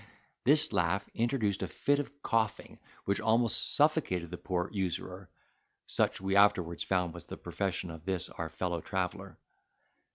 This laugh introduced a fit of coughing, which almost suffocated the poor usurer (such we afterwards found was the profession of this our fellow traveller).